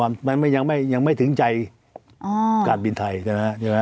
มันยังไม่ถึงใจการบินไทย